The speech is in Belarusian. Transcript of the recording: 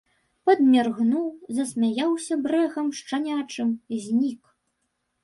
Падміргнуў, засмяяўся брэхам шчанячым, знік.